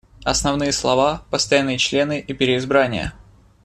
Основные слова — постоянные члены и переизбрание.